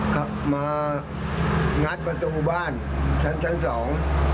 กลับมางัดบนตรงบ้านชั้นสอง